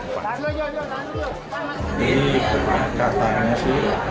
ini katanya sih